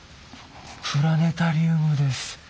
プラネタリウムです。